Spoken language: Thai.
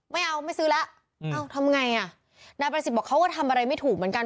ไม่เอาไม่ซื้อแล้วอืมเอ้าทำไงอ่ะนอกไปบอกเขาก็ทำอะไรไม่ถูกเหมือนกัน